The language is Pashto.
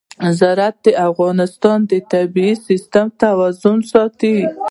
زراعت د افغانستان د طبعي سیسټم توازن ساتي.